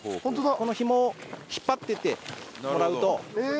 このひもを引っ張っていってもらうと。